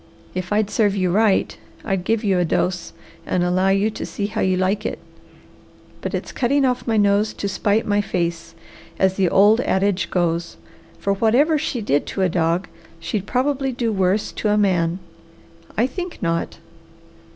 If I'd serve you right, I'd give you a dose and allow you to see how you like it. But it's cutting off my nose to spite my face, as the old adage goes, for whatever she did to a dog, she'd probably do worse to a man. I think not!"